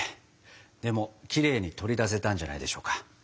でもきれいに取り出せたんじゃないでしょうか。